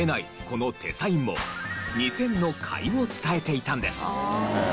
この手サインも２０００の買いを伝えていたんです。